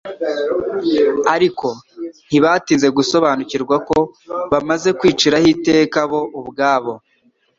ariko ntibatinze gusobanukirwa ko bamaze kwiciraho iteka bo ubwabo.